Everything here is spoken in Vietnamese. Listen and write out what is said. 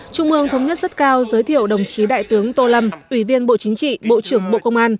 trung ương thống nhất rất cao giới thiệu đồng chí đại tướng tô lâm ủy viên bộ chính trị bộ trưởng bộ công an